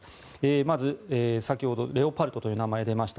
まず、先ほど、レオパルトという名前が出ました。